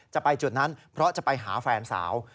จะไปจุดนั้นเพราะจะไปหาแฟนสาว